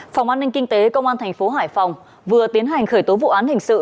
phòng an ninh kinh tế công an thành phố hải phòng vừa tiến hành khởi tố vụ án hình sự